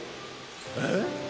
えっ！？